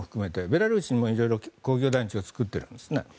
ベラルーシにも色々工業団地を造っているんですね。